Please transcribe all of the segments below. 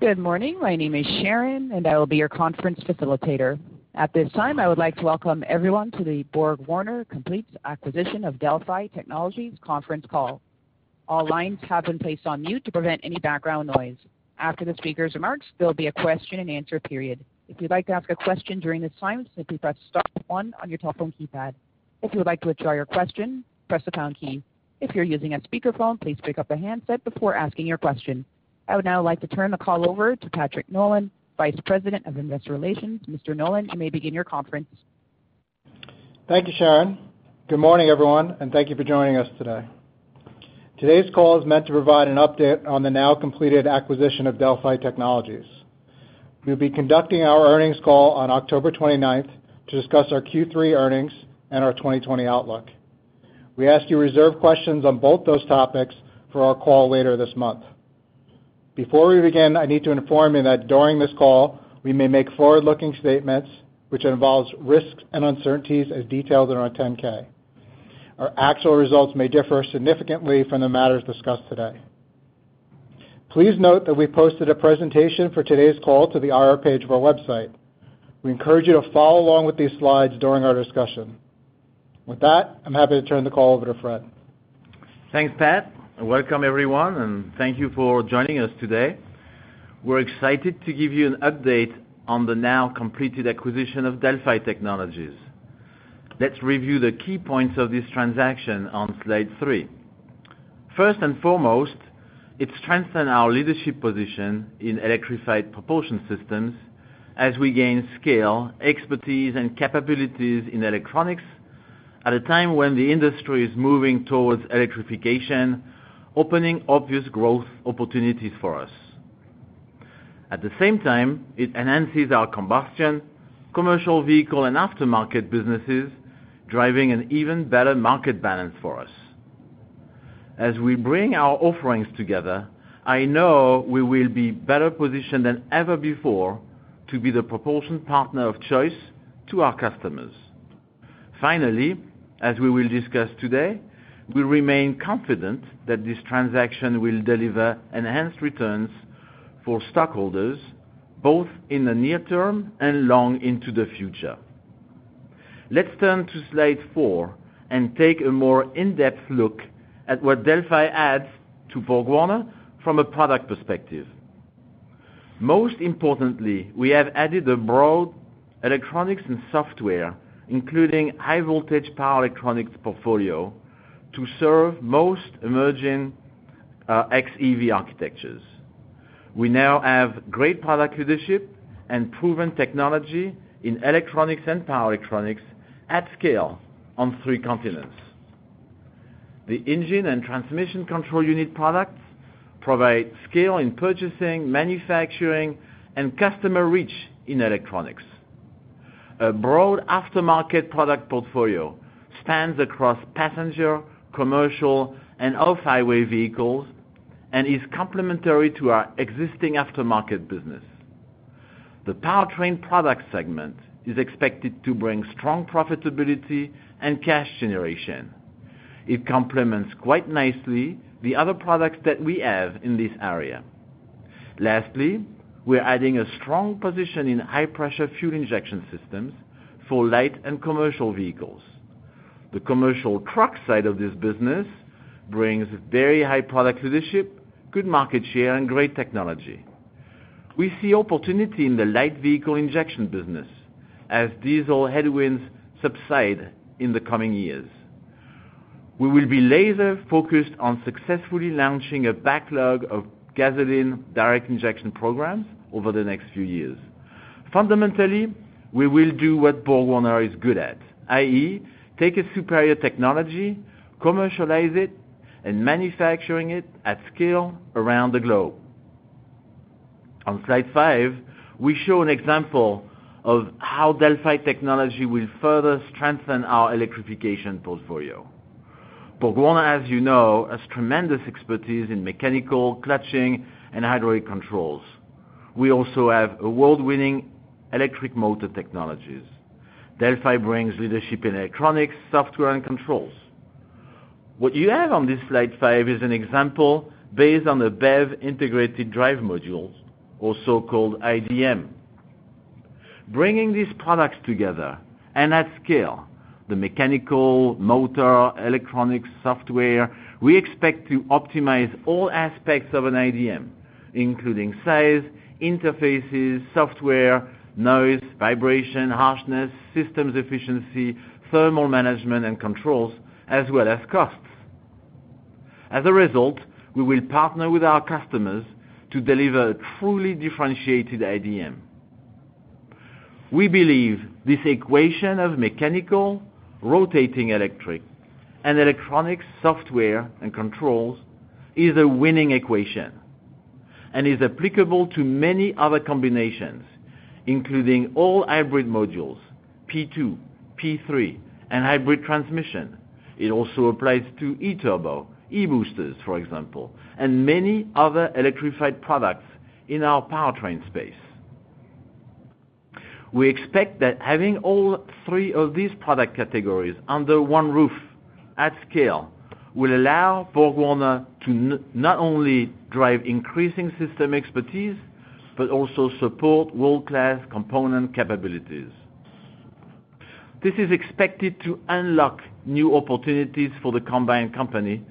Good morning. My name is Sharon, and I will be your conference facilitator. At this time, I would like to welcome everyone to the BorgWarner Complete Acquisition of Delphi Technologies conference call. All lines have been placed on mute to prevent any background noise. After the speaker's remarks, there will be a question-and-answer period. If you'd like to ask a question during this time, simply press star one on your telephone keypad. If you would like to withdraw your question, press the pound key. If you're using a speakerphone, please pick up the handset before asking your question. I would now like to turn the call over to Patrick Nolan, Vice President of Investor Relations. Mr. Nolan, you may begin your conference. Thank you, Sharon. Good morning, everyone, and thank you for joining us today. Today's call is meant to provide an update on the now-completed acquisition of Delphi Technologies. We will be conducting our earnings call on October 29th to discuss our Q3 earnings and our 2020 outlook. We ask you to reserve questions on both those topics for our call later this month. Before we begin, I need to inform you that during this call, we may make forward-looking statements, which involves risks and uncertainties as detailed in our 10-K. Our actual results may differ significantly from the matters discussed today. Please note that we posted a presentation for today's call to the IR page of our website. We encourage you to follow along with these slides during our discussion. With that, I'm happy to turn the call over to Fréd. Thanks, Pat. Welcome, everyone, and thank you for joining us today. We're excited to give you an update on the now-completed acquisition of Delphi Technologies. Let's review the key points of this transaction on slide three. First and foremost, it strengthens our leadership position in electrified propulsion systems as we gain scale, expertise, and capabilities in electronics at a time when the industry is moving towards electrification, opening obvious growth opportunities for us. At the same time, it enhances our combustion, commercial vehicle, and aftermarket businesses, driving an even better market balance for us. As we bring our offerings together, I know we will be better positioned than ever before to be the propulsion partner of choice to our customers. Finally, as we will discuss today, we remain confident that this transaction will deliver enhanced returns for stockholders, both in the near term and long into the future. Let's turn to slide four and take a more in-depth look at what Delphi adds to BorgWarner from a product perspective. Most importantly, we have added a broad electronics and software, including high-voltage power electronics portfolio, to serve most emerging xEV architectures. We now have great product leadership and proven technology in electronics and power electronics at scale on three continents. The engine and transmission control unit products provide scale in purchasing, manufacturing, and customer reach in electronics. A broad aftermarket product portfolio spans across passenger, commercial, and off-highway vehicles and is complementary to our existing aftermarket business. The powertrain product segment is expected to bring strong profitability and cash generation. It complements quite nicely the other products that we have in this area. Lastly, we're adding a strong position in high-pressure fuel injection systems for light and commercial vehicles. The commercial truck side of this business brings very high product leadership, good market share, and great technology. We see opportunity in the light vehicle injection business as diesel headwinds subside in the coming years. We will be laser-focused on successfully launching a backlog of gasoline direct injection programs over the next few years. Fundamentally, we will do what BorgWarner is good at, i.e., take a superior technology, commercialize it, and manufacture it at scale around the globe. On slide five, we show an example of how Delphi technology will further strengthen our electrification portfolio. BorgWarner, as you know, has tremendous expertise in mechanical, clutching, and hydraulic controls. We also have award-winning electric motor technologies. Delphi brings leadership in electronics, software, and controls. What you have on this slide five is an example based on the BEV Integrated Drive Modules, also called iDM. Bringing these products together and at scale, the mechanical, motor, electronics, software, we expect to optimize all aspects of an iDM, including size, interfaces, software, noise, vibration, harshness, systems efficiency, thermal management, and controls, as well as costs. As a result, we will partner with our customers to deliver a truly differentiated iDM. We believe this equation of mechanical, rotating electric, and electronics, software, and controls is a winning equation and is applicable to many other combinations, including all hybrid modules, P2, P3, and hybrid transmission. It also applies to eTurbo, eBoosters, for example, and many other electrified products in our powertrain space. We expect that having all three of these product categories under one roof at scale will allow BorgWarner to not only drive increasing system expertise but also support world-class component capabilities. This is expected to unlock new opportunities for the combined company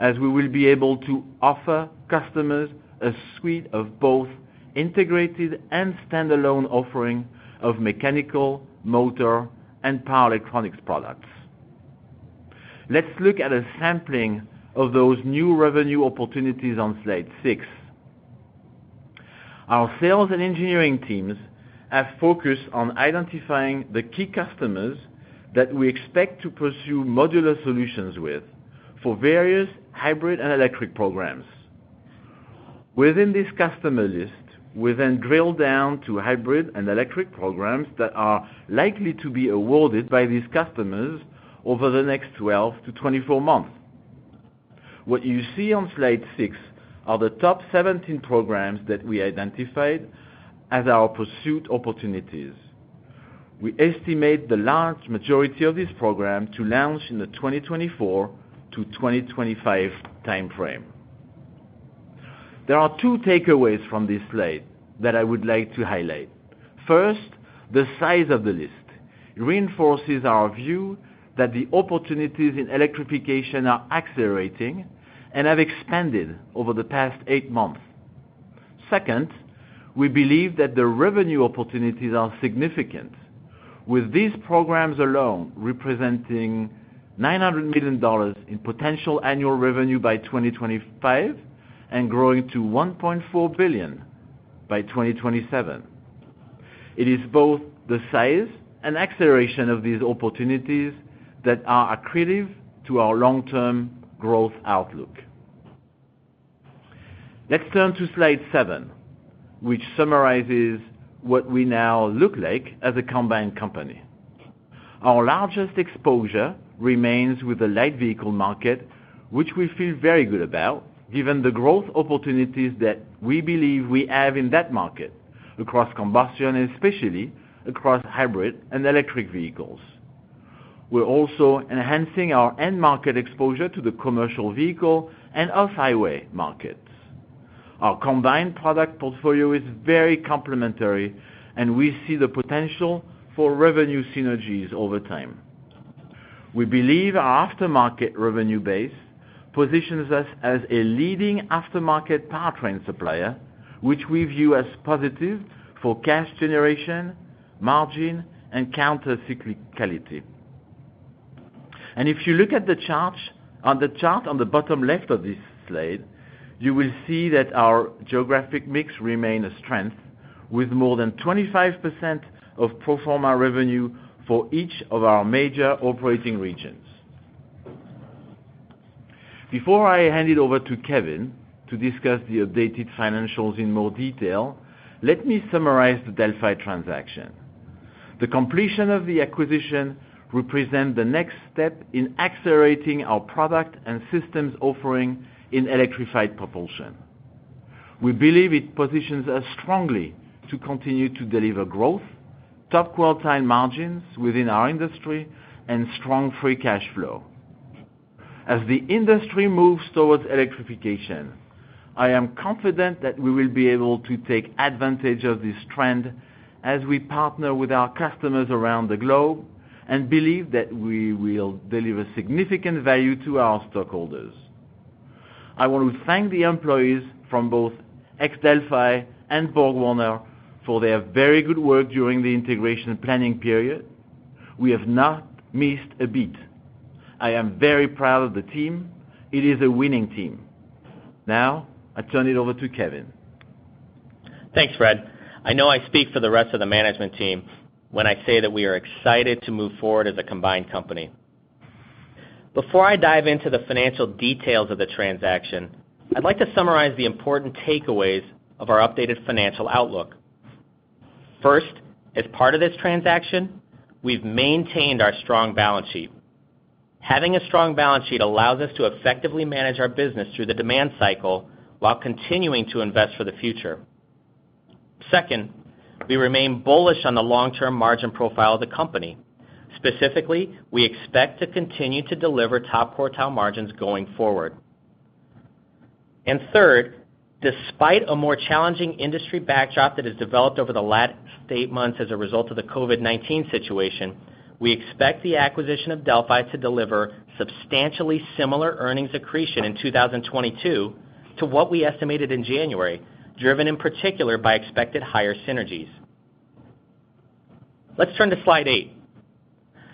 as we will be able to offer customers a suite of both integrated and standalone offerings of mechanical, motor, and power electronics products. Let's look at a sampling of those new revenue opportunities on slide six. Our sales and engineering teams have focused on identifying the key customers that we expect to pursue modular solutions with for various hybrid and electric programs. Within this customer list, we then drill down to hybrid and electric programs that are likely to be awarded by these customers over the next 12 to 24 months. What you see on slide six are the top 17 programs that we identified as our pursuit opportunities. We estimate the large majority of these programs to launch in the 2024 to 2025 timeframe. There are two takeaways from this slide that I would like to highlight. First, the size of the list reinforces our view that the opportunities in electrification are accelerating and have expanded over the past eight months. Second, we believe that the revenue opportunities are significant, with these programs alone representing $900 million in potential annual revenue by 2025 and growing to $1.4 billion by 2027. It is both the size and acceleration of these opportunities that are attributed to our long-term growth outlook. Let's turn to slide seven, which summarizes what we now look like as a combined company. Our largest exposure remains with the light vehicle market, which we feel very good about given the growth opportunities that we believe we have in that market across combustion, especially across hybrid and electric vehicles. We're also enhancing our end market exposure to the commercial vehicle and off-highway markets. Our combined product portfolio is very complementary, and we see the potential for revenue synergies over time. We believe our aftermarket revenue base positions us as a leading aftermarket powertrain supplier, which we view as positive for cash generation, margin, and countercyclicality. And if you look at the chart on the bottom left of this slide, you will see that our geographic mix remains a strength with more than 25% of pro forma revenue for each of our major operating regions. Before I hand it over to Kevin to discuss the updated financials in more detail, let me summarize the Delphi transaction. The completion of the acquisition represents the next step in accelerating our product and systems offering in electrified propulsion. We believe it positions us strongly to continue to deliver growth, top quartile margins within our industry, and strong free cash flow. As the industry moves towards electrification, I am confident that we will be able to take advantage of this trend as we partner with our customers around the globe and believe that we will deliver significant value to our stockholders. I want to thank the employees from both Delphi and BorgWarner for their very good work during the integration planning period. We have not missed a beat. I am very proud of the team. It is a winning team. Now, I turn it over to Kevin. Thanks, Fréd. I know I speak for the rest of the management team when I say that we are excited to move forward as a combined company. Before I dive into the financial details of the transaction, I'd like to summarize the important takeaways of our updated financial outlook. First, as part of this transaction, we've maintained our strong balance sheet. Having a strong balance sheet allows us to effectively manage our business through the demand cycle while continuing to invest for the future. Second, we remain bullish on the long-term margin profile of the company. Specifically, we expect to continue to deliver top quartile margins going forward. And third, despite a more challenging industry backdrop that has developed over the last eight months as a result of the COVID-19 situation, we expect the acquisition of Delphi to deliver substantially similar earnings accretion in 2022 to what we estimated in January, driven in particular by expected higher synergies. Let's turn to slide eight.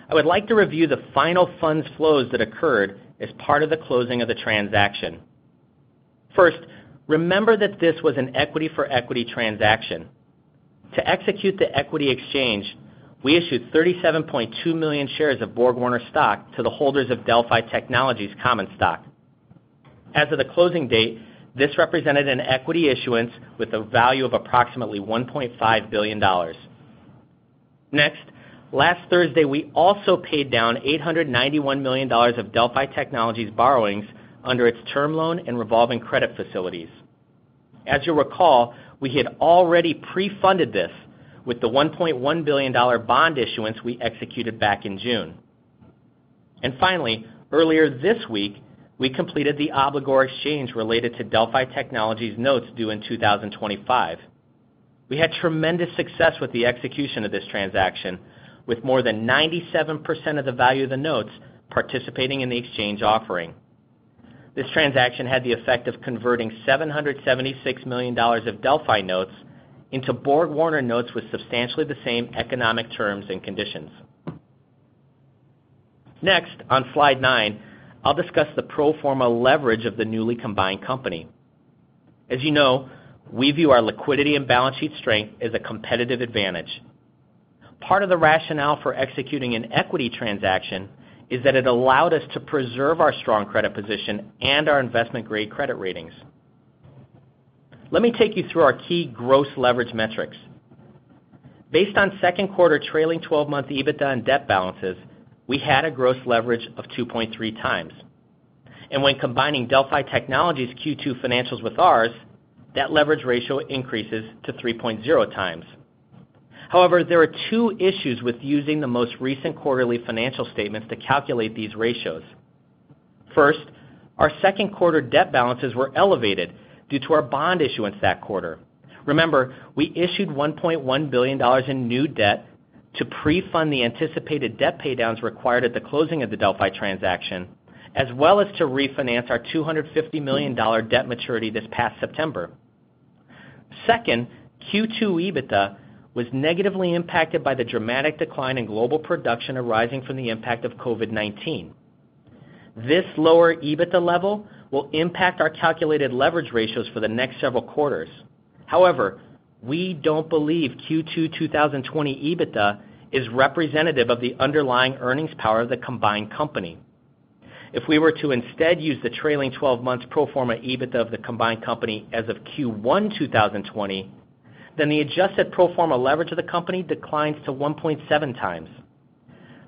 I would like to review the final funds flows that occurred as part of the closing of the transaction. First, remember that this was an equity-for-equity transaction. To execute the equity exchange, we issued 37.2 million shares of BorgWarner stock to the holders of Delphi Technologies Common Stock. As of the closing date, this represented an equity issuance with a value of approximately $1.5 billion. Next, last Thursday, we also paid down $891 million of Delphi Technologies' borrowings under its term loan and revolving credit facilities. As you'll recall, we had already pre-funded this with the $1.1 billion bond issuance we executed back in June. Finally, earlier this week, we completed the obligor exchange related to Delphi Technologies' notes due in 2025. We had tremendous success with the execution of this transaction, with more than 97% of the value of the notes participating in the exchange offering. This transaction had the effect of converting $776 million of Delphi notes into BorgWarner notes with substantially the same economic terms and conditions. Next, on slide nine, I'll discuss the pro forma leverage of the newly combined company. As you know, we view our liquidity and balance sheet strength as a competitive advantage. Part of the rationale for executing an equity transaction is that it allowed us to preserve our strong credit position and our investment-grade credit ratings. Let me take you through our key gross leverage metrics. Based on second-quarter trailing 12-month EBITDA and debt balances, we had a gross leverage of 2.3x, and when combining Delphi Technologies' Q2 financials with ours, that leverage ratio increases to 3.0x. However, there are two issues with using the most recent quarterly financial statements to calculate these ratios. First, our second quarter debt balances were elevated due to our bond issuance that quarter. Remember, we issued $1.1 billion in new debt to pre-fund the anticipated debt paydowns required at the closing of the Delphi transaction, as well as to refinance our $250 million debt maturity this past September. Second, Q2 EBITDA was negatively impacted by the dramatic decline in global production arising from the impact of COVID-19. This lower EBITDA level will impact our calculated leverage ratios for the next several quarters. However, we don't believe Q2 2020 EBITDA is representative of the underlying earnings power of the combined company. If we were to instead use the trailing 12-month proforma EBITDA of the combined company as of Q1 2020, then the adjusted proforma leverage of the company declines to 1.7x.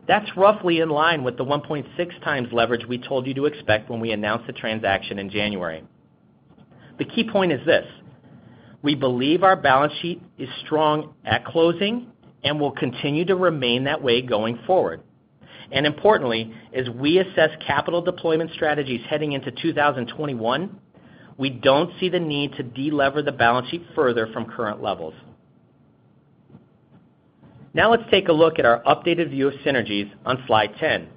That's roughly in line with the 1.6x leverage we told you to expect when we announced the transaction in January. The key point is this: we believe our balance sheet is strong at closing and will continue to remain that way going forward. And importantly, as we assess capital deployment strategies heading into 2021, we don't see the need to delever the balance sheet further from current levels. Now, let's take a look at our updated view of synergies on slide 10.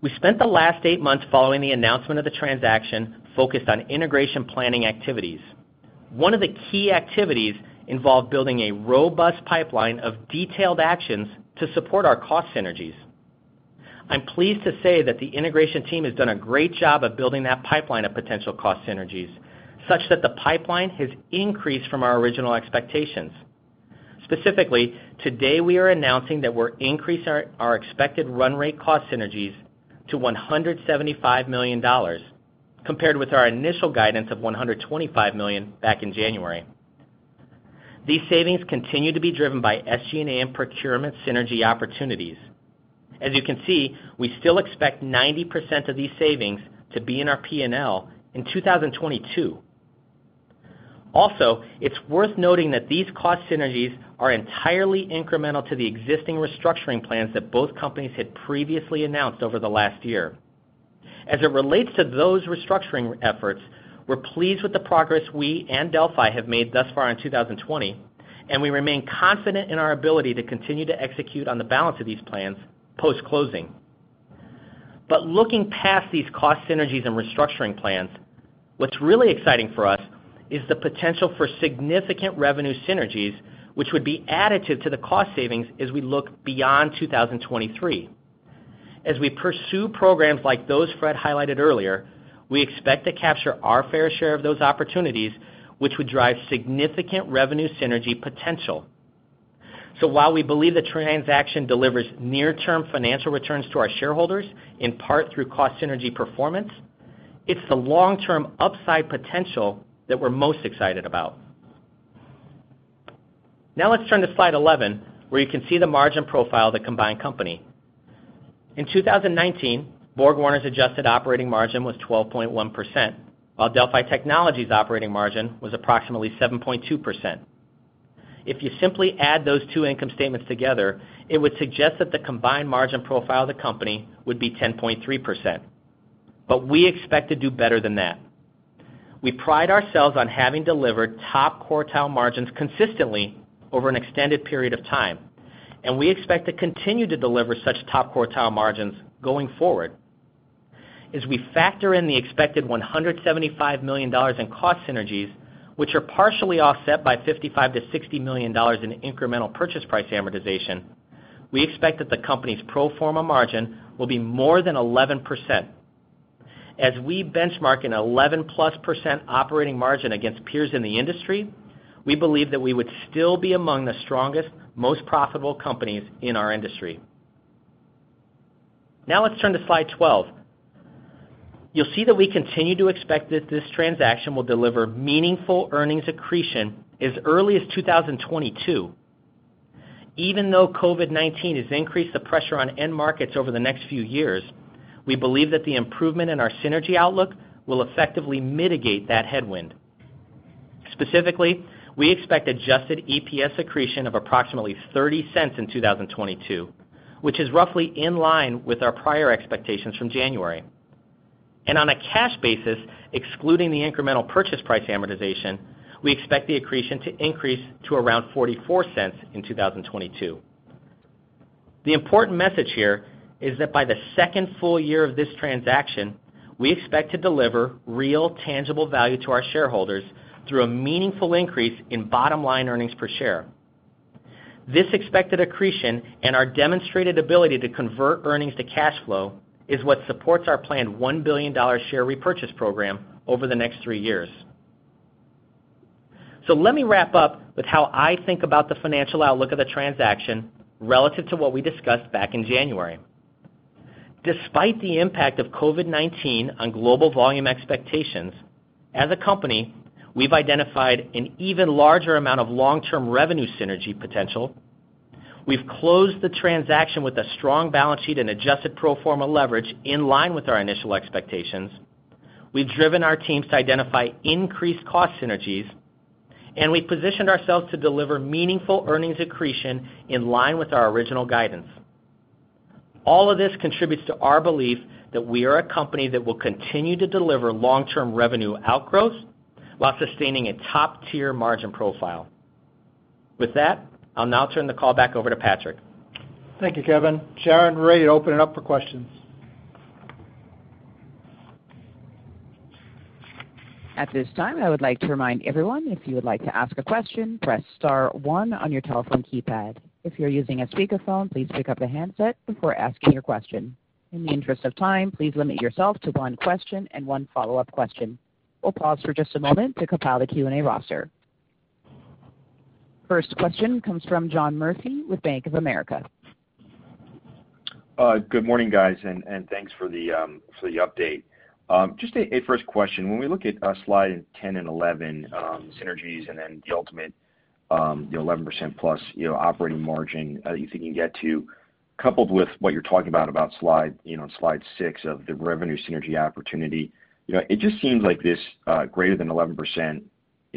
We spent the last eight months following the announcement of the transaction focused on integration planning activities. One of the key activities involved building a robust pipeline of detailed actions to support our cost synergies. I'm pleased to say that the integration team has done a great job of building that pipeline of potential cost synergies such that the pipeline has increased from our original expectations. Specifically, today we are announcing that we're increasing our expected run rate cost synergies to $175 million compared with our initial guidance of $125 million back in January. These savings continue to be driven by SG&A and procurement synergy opportunities. As you can see, we still expect 90% of these savings to be in our P&L in 2022. Also, it's worth noting that these cost synergies are entirely incremental to the existing restructuring plans that both companies had previously announced over the last year. As it relates to those restructuring efforts, we're pleased with the progress we and Delphi have made thus far in 2020, and we remain confident in our ability to continue to execute on the balance of these plans post-closing. But looking past these cost synergies and restructuring plans, what's really exciting for us is the potential for significant revenue synergies, which would be additive to the cost savings as we look beyond 2023. As we pursue programs like those Fréd highlighted earlier, we expect to capture our fair share of those opportunities, which would drive significant revenue synergy potential. So while we believe the transaction delivers near-term financial returns to our shareholders in part through cost synergy performance, it's the long-term upside potential that we're most excited about. Now, let's turn to slide 11, where you can see the margin profile of the combined company. In 2019, BorgWarner's adjusted operating margin was 12.1%, while Delphi Technologies' operating margin was approximately 7.2%. If you simply add those two income statements together, it would suggest that the combined margin profile of the company would be 10.3%. But we expect to do better than that. We pride ourselves on having delivered top quartile margins consistently over an extended period of time, and we expect to continue to deliver such top quartile margins going forward. As we factor in the expected $175 million in cost synergies, which are partially offset by $55 million-$60 million in incremental purchase price amortization, we expect that the company's pro forma margin will be more than 11%. As we benchmark an 11 +% operating margin against peers in the industry, we believe that we would still be among the strongest, most profitable companies in our industry. Now, let's turn to slide 12. You'll see that we continue to expect that this transaction will deliver meaningful earnings accretion as early as 2022. Even though COVID-19 has increased the pressure on end markets over the next few years, we believe that the improvement in our synergy outlook will effectively mitigate that headwind. Specifically, we expect adjusted EPS accretion of approximately $0.30 in 2022, which is roughly in line with our prior expectations from January. And on a cash basis, excluding the incremental purchase price amortization, we expect the accretion to increase to around $0.44 in 2022. The important message here is that by the second full year of this transaction, we expect to deliver real, tangible value to our shareholders through a meaningful increase in bottom-line earnings per share. This expected accretion and our demonstrated ability to convert earnings to cash flow is what supports our planned $1 billion share repurchase program over the next three years. So let me wrap up with how I think about the financial outlook of the transaction relative to what we discussed back in January. Despite the impact of COVID-19 on global volume expectations, as a company, we've identified an even larger amount of long-term revenue synergy potential. We've closed the transaction with a strong balance sheet and adjusted pro forma leverage in line with our initial expectations. We've driven our teams to identify increased cost synergies, and we've positioned ourselves to deliver meaningful earnings accretion in line with our original guidance. All of this contributes to our belief that we are a company that will continue to deliver long-term revenue outgrowth while sustaining a top-tier margin profile. With that, I'll now turn the call back over to Patrick. Thank you, Kevin. Sharon, ready to open it up for questions. At this time, I would like to remind everyone, if you would like to ask a question, press star one on your telephone keypad. If you're using a speakerphone, please pick up the handset before asking your question. In the interest of time, please limit yourself to one question and one follow-up question. We'll pause for just a moment to compile the Q&A roster. First question comes from John Murphy with Bank of America. Good morning, guys, and thanks for the update. Just a first question. When we look at slide 10 and 11, synergies, and then the ultimate, the 11% + operating margin that you think you can get to, coupled with what you're talking about on slide six of the revenue synergy opportunity, it just seems like this greater than 11%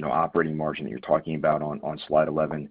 operating margin that you're talking about on slide 11,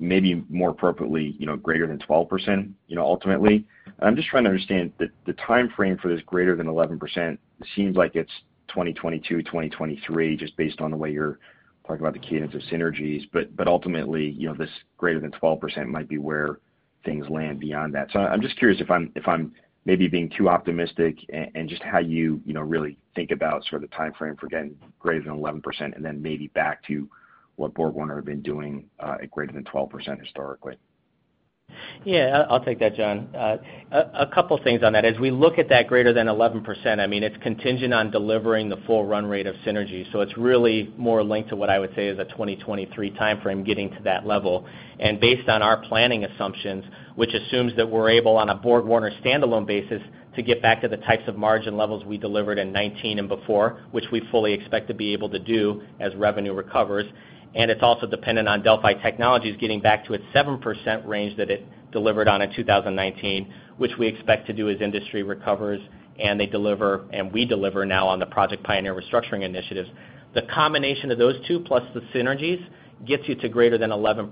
maybe more appropriately, greater than 12% ultimately. And I'm just trying to understand the timeframe for this greater than 11%. It seems like it's 2022, 2023, just based on the way you're talking about the cadence of synergies. But ultimately, this greater than 12% might be where things land beyond that. So I'm just curious if I'm maybe being too optimistic and just how you really think about sort of the timeframe for getting greater than 11% and then maybe back to what BorgWarner had been doing at greater than 12% historically? Yeah, I'll take that, John. A couple of things on that. As we look at that greater than 11%, I mean, it's contingent on delivering the full run rate of synergy. So it's really more linked to what I would say is a 2023 timeframe getting to that level. And based on our planning assumptions, which assumes that we're able, on a BorgWarner standalone basis, to get back to the types of margin levels we delivered in 2019 and before, which we fully expect to be able to do as revenue recovers. And it's also dependent on Delphi Technologies getting back to its 7% range that it delivered on in 2019, which we expect to do as industry recovers and they deliver, and we deliver now on the Project Pioneer restructuring initiatives. The combination of those two plus the synergies gets you to greater than 11%.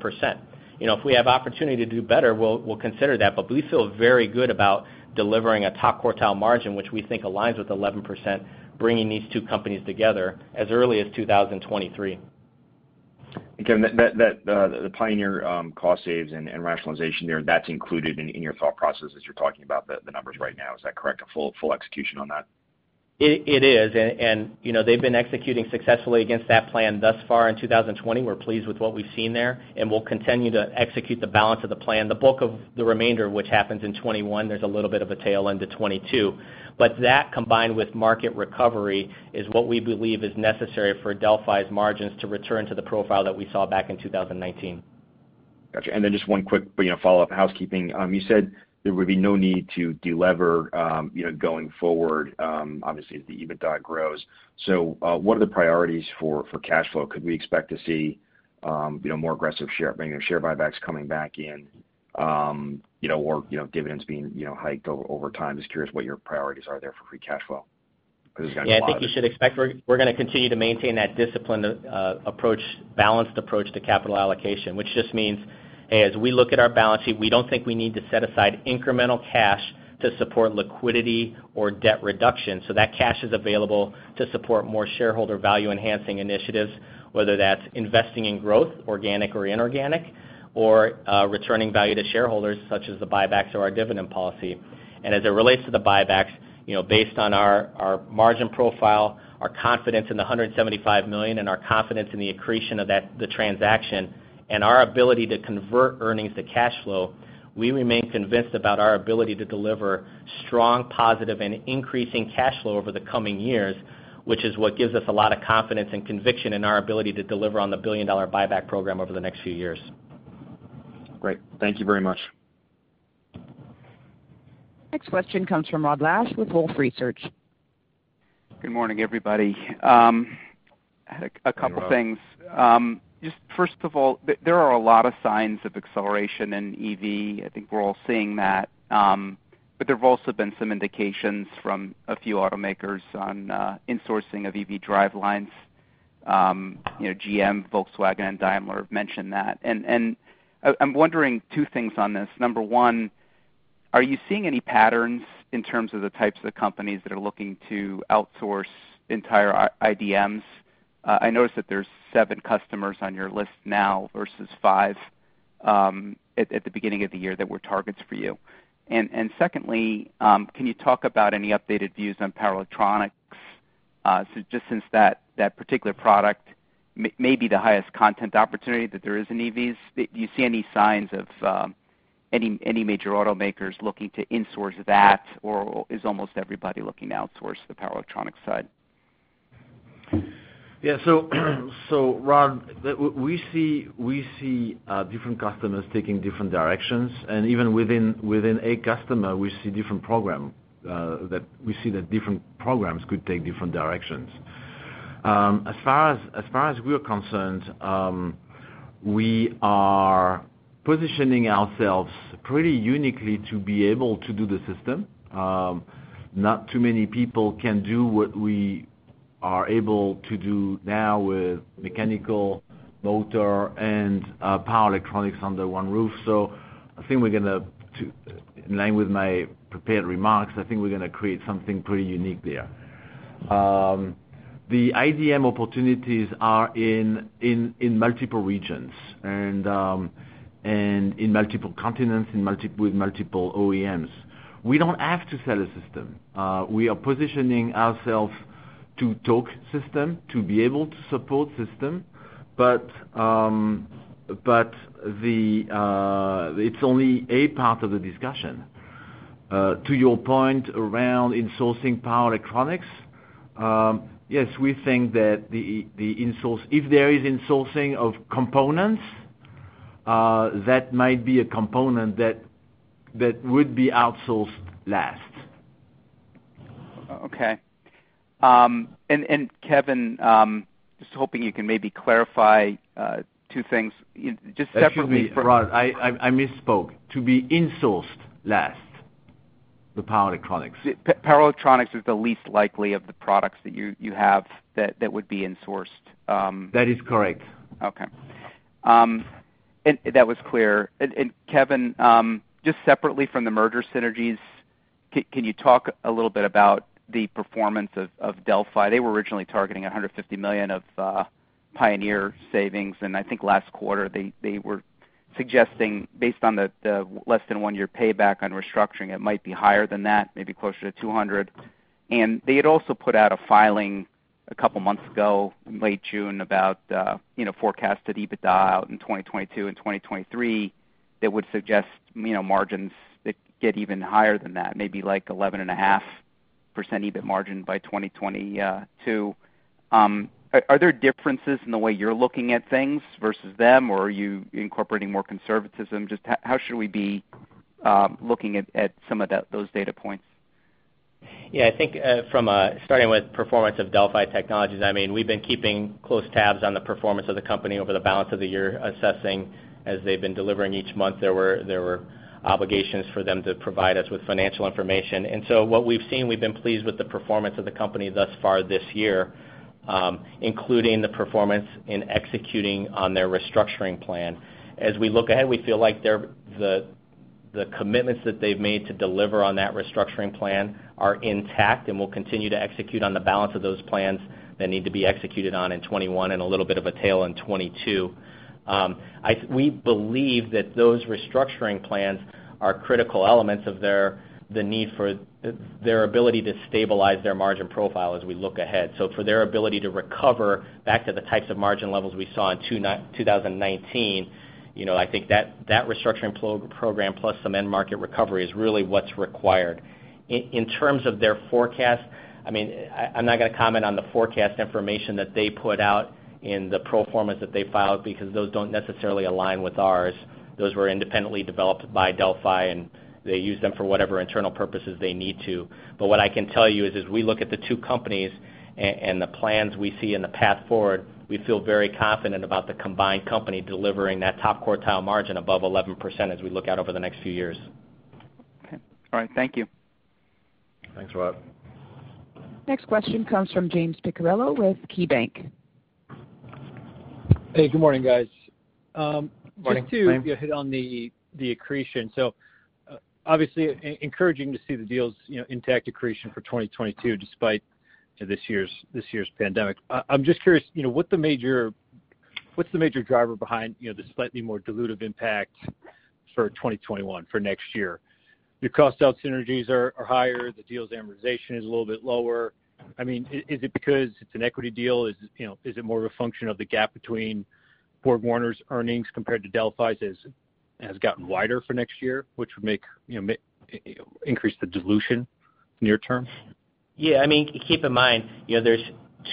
If we have opportunity to do better, we'll consider that. But we feel very good about delivering a top quartile margin, which we think aligns with 11%, bringing these two companies together as early as 2023. Again, the pioneer cost saves and rationalization there, that's included in your thought process as you're talking about the numbers right now. Is that correct? A full execution on that? It is. And they've been executing successfully against that plan thus far in 2020. We're pleased with what we've seen there, and we'll continue to execute the balance of the plan. The bulk of the remainder, which happens in 2021. There's a little bit of a tail end to 2022. But that, combined with market recovery, is what we believe is necessary for Delphi's margins to return to the profile that we saw back in 2019. Gotcha. And then just one quick follow-up housekeeping. You said there would be no need to delever going forward, obviously, as the EBITDA grows. So what are the priorities for cash flow? Could we expect to see more aggressive share buybacks coming back in or dividends being hiked over time? Just curious what your priorities are there for free cash flow. Yeah, I think you should expect we're going to continue to maintain that disciplined approach, balanced approach to capital allocation, which just means, hey, as we look at our balance sheet, we don't think we need to set aside incremental cash to support liquidity or debt reduction. So that cash is available to support more shareholder value-enhancing initiatives, whether that's investing in growth, organic or inorganic, or returning value to shareholders such as the buybacks or our dividend policy. As it relates to the buybacks, based on our margin profile, our confidence in the $175 million, and our confidence in the accretion of the transaction, and our ability to convert earnings to cash flow, we remain convinced about our ability to deliver strong, positive, and increasing cash flow over the coming years, which is what gives us a lot of confidence and conviction in our ability to deliver on the $1 billion buyback program over the next few years. Great. Thank you very much. Next question comes from Rod Lache with Wolfe Research. Good morning, everybody. A couple of things. Just first of all, there are a lot of signs of acceleration in EV. I think we're all seeing that. But there've also been some indications from a few automakers on insourcing of EV drivelines. GM, Volkswagen, and Daimler have mentioned that, and I'm wondering two things on this. Number one, are you seeing any patterns in terms of the types of companies that are looking to outsource entire iDMs? I noticed that there's seven customers on your list now versus five at the beginning of the year that were targets for you, and secondly, can you talk about any updated views on power electronics? So just since that particular product may be the highest content opportunity that there is in EVs, do you see any signs of any major automakers looking to insource that, or is almost everybody looking to outsource the power electronics side? Yeah. So Rod, we see different customers taking different directions. And even within a customer, we see different programs that different programs could take different directions. As far as we are concerned, we are positioning ourselves pretty uniquely to be able to do the system. Not too many people can do what we are able to do now with mechanical, motor, and power electronics under one roof. So I think we're going to create something pretty unique there, in line with my prepared remarks. The iDM opportunities are in multiple regions and in multiple continents with multiple OEMs. We don't have to sell a system. We are positioning ourselves to talk system, to be able to support system. But it's only a part of the discussion. To your point around insourcing power electronics, yes, we think that if there is insourcing of components, that might be a component that would be outsourced last. Okay. And Kevin, just hoping you can maybe clarify two things just separately for. Excuse me, Rod, I misspoke. To be insourced last, the power electronics. Power electronics is the least likely of the products that you have that would be insourced. That is correct. Okay. That was clear, and Kevin, just separately from the merger synergies, can you talk a little bit about the performance of Delphi? They were originally targeting $150 million of pioneer savings. And I think last quarter, they were suggesting, based on the less than one-year payback on restructuring, it might be higher than that, maybe closer to $200 million, and they had also put out a filing a couple of months ago, late June, about forecasted EBITDA out in 2022 and 2023 that would suggest margins that get even higher than that, maybe like 11.5% EBIT margin by 2022. Are there differences in the way you're looking at things versus them, or are you incorporating more conservatism? Just how should we be looking at some of those data points? Yeah. I think starting with performance of Delphi Technologies, I mean, we've been keeping close tabs on the performance of the company over the balance of the year assessing as they've been delivering each month. There were obligations for them to provide us with financial information, and so what we've seen, we've been pleased with the performance of the company thus far this year, including the performance in executing on their restructuring plan. As we look ahead, we feel like the commitments that they've made to deliver on that restructuring plan are intact and will continue to execute on the balance of those plans that need to be executed on in 2021 and a little bit of a tail in 2022. We believe that those restructuring plans are critical elements of the need for their ability to stabilize their margin profile as we look ahead. So for their ability to recover back to the types of margin levels we saw in 2019, I think that restructuring program plus some end-market recovery is really what's required. In terms of their forecast, I mean, I'm not going to comment on the forecast information that they put out in the pro formas that they filed because those don't necessarily align with ours. Those were independently developed by Delphi, and they use them for whatever internal purposes they need to. But what I can tell you is, as we look at the two companies and the plans we see in the path forward, we feel very confident about the combined company delivering that top quartile margin above 11% as we look out over the next few years. Okay. All right. Thank you. Thanks, Rod. Next question comes from James Picariello with KeyBanc. Hey, good morning, guys. Morning. Just to get a hit on the accretion. So obviously encouraging to see the deal's intact accretion for 2022 despite this year's pandemic. I'm just curious, what's the major driver behind the slightly more dilutive impact for 2021 for next year? Your cost-out synergies are higher. The deal's amortization is a little bit lower. I mean, is it because it's an equity deal? Is it more of a function of the gap between BorgWarner's earnings compared to Delphi's has gotten wider for next year, which would increase the dilution near-term? Yeah. I mean, keep in mind, there's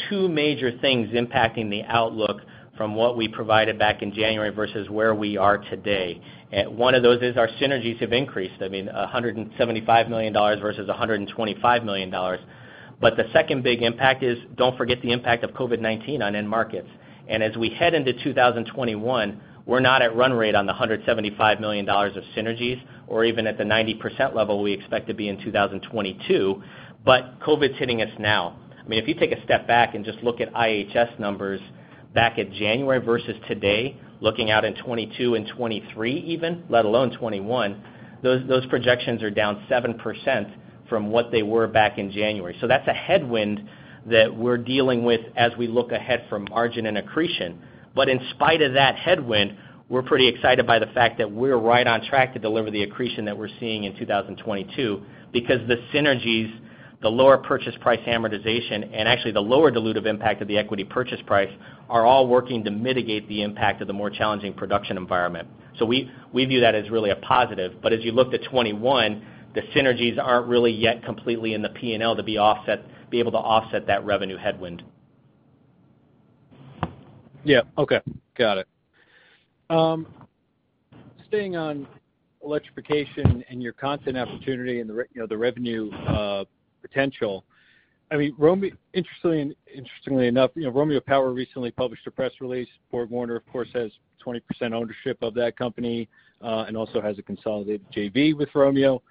two major things impacting the outlook from what we provided back in January versus where we are today. One of those is our synergies have increased. I mean, $175 million versus $125 million, but the second big impact is, don't forget the impact of COVID-19 on end markets. And as we head into 2021, we're not at run rate on the $175 million of synergies or even at the 90% level we expect to be in 2022, but COVID's hitting us now. I mean, if you take a step back and just look at IHS numbers back at January versus today, looking out in 2022 and 2023 even, let alone 2021, those projections are down 7% from what they were back in January, so that's a headwind that we're dealing with as we look ahead for margin and accretion. But in spite of that headwind, we're pretty excited by the fact that we're right on track to deliver the accretion that we're seeing in 2022 because the synergies, the lower purchase price amortization, and actually the lower dilutive impact of the equity purchase price are all working to mitigate the impact of the more challenging production environment. So we view that as really a positive. But as you look to 2021, the synergies aren't really yet completely in the P&L to be able to offset that revenue headwind. Yeah. Okay. Got it. Staying on electrification and your content opportunity and the revenue potential, I mean, interestingly enough, Romeo Power recently published a press release. BorgWarner, of course, has 20% ownership of that company and also has a consolidated JV with Romeo.